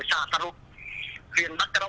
của xã sa ru